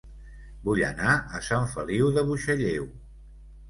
Vull anar a Sant Feliu de Buixalleu